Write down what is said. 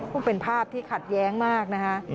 ซึ่งเป็นภาพที่ขัดแย้งมากนะคะ